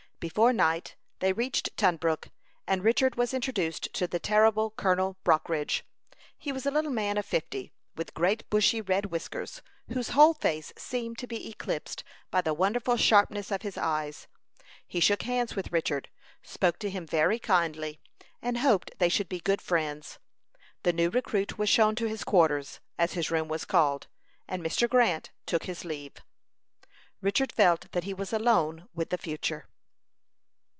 Before night they reached Tunbrook, and Richard was introduced to the terrible Colonel Brockridge. He was a little man of fifty, with great bushy red whiskers, whose whole face seemed to be eclipsed by the wonderful sharpness of his eyes. He shook hands with Richard, spoke to him very kindly, and hoped they should be good friends. The new recruit was shown to his quarters, as his room was called, and Mr. Grant took his leave. Richard felt that he was alone with the future.